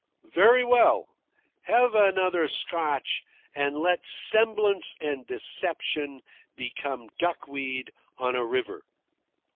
Very well. Have another Scotch, and let semblance and deception become duck weed on a river."